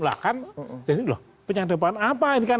lah kan jadi loh penyadapan apa ini kan